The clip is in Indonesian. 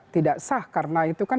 tidak sah karena itu kan